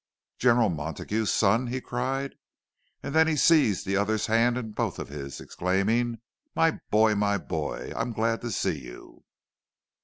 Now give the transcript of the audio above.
"General Montague's son?" he cried. And then he seized the other's hand in both of his, exclaiming, "My boy! my boy! I'm glad to see you!"